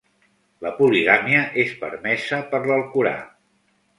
La poligàmia és permesa per l'Alcorà.